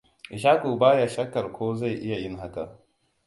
Ishaku baya shakkar ko zai iya yin haka.